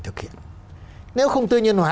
thực hiện nếu không tư nhân hóa